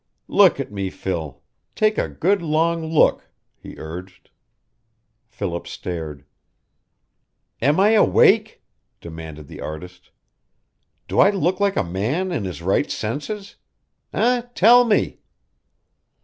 "Look at me, Phil take a good long look," he urged. Philip stared. "Am I awake?" demanded the artist. "Do I look like a man in his right senses? Eh, tell me!"